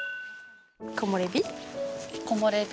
木漏れ日？